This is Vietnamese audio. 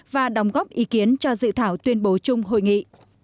và đóng góp ý kiến cho dự thảo tuyên bố chung hội nghị